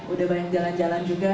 udah banyak jalan jalan juga